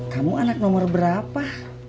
kamu anak nomor berapa